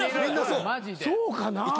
そうかな？